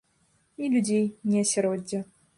Ні людзей, ні асяроддзя.